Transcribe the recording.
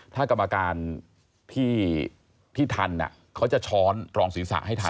ถ้ากรรมการที่ทันเขาจะช้อนรองศีรษะให้ทัน